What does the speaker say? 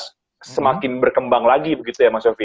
maka regulasi yang jelas semakin berkembang lagi begitu ya mas sofie